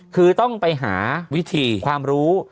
คือต้องไปหาวิธีความรู้